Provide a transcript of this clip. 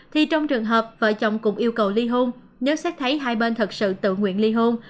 thì trong trường hợp vợ chồng cũng yêu cầu ly hôn nếu xét thấy hai bên thật sự tự nguyện ly hôn